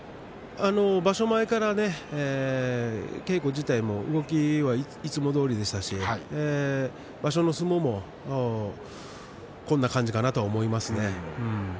場所前から稽古自体も動きはいつもどおりでしたし場所の相撲もこんな感じかなとは思いますね。